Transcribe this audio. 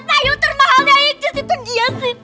payung terbahagia icis itu dia sih